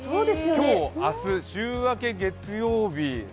今日、明日、週明け月曜日。